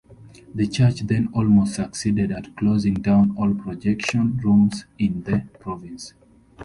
The church then almost succeeded at closing down all projection rooms in the province.